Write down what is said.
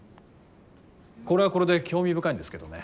これはこれで興味深いんですけどね。